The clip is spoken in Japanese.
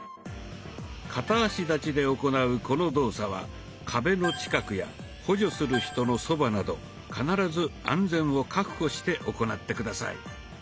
片足立ちで行うこの動作は壁の近くや補助する人のそばなど必ず安全を確保して行って下さい。